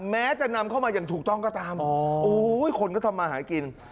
แม้จะนำเข้ามาอย่างถูกต้องก็ตามโอ้ยคนก็ทำมาหากิน